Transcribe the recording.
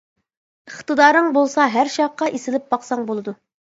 ئىقتىدارىڭ بولسا ھەر شاخقا ئېسىلىپ باقساڭ بولىدۇ.